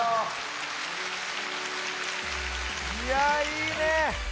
いやいいね。